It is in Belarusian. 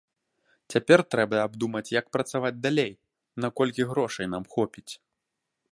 Цяпер трэба абдумаць як працаваць далей, наколькі грошай нам хопіць.